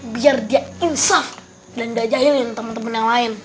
biar dia insaf dan gak jahilin temen temen yang lain